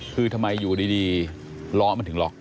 คือทำไมอยู่ดีล้อมันถึงล็อก